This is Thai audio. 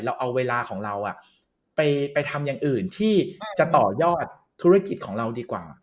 เราเอาเวลาของเราไปทำอย่างอื่นที่จะต่อยอดธุรกิจของเราดีกว่า